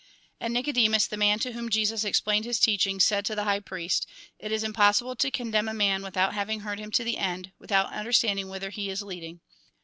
And Nicodemus, the man to whom Jesus ex plained his teaching, said to the high priests :" It is impossible to condemn a man without having heard him to the end, without understanding whither he is leading."